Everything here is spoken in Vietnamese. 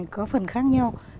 có phần khác nhau